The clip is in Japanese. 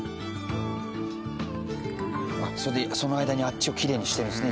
あっそれでその間にあっちをきれいにしてるんですね